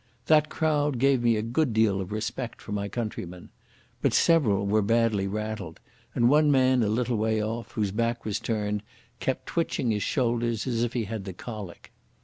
That crowd gave me a good deal of respect for my countrymen. But several were badly rattled, and one man a little way off, whose back was turned, kept twitching his shoulders as if he had the colic.